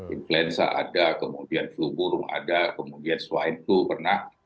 influenza ada kemudian flu burung ada kemudian swine flu pernah